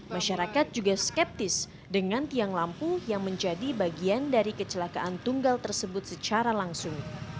masyarakat juga skeptis dengan tiang lampu yang menjadi bagian dari kecelakaan tunggal tersebut secara langsung